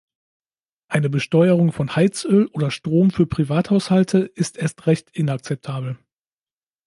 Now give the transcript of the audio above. Eine Besteuerung von Heizöl oder Strom für Privathaushalte ist erst recht inakzeptabel.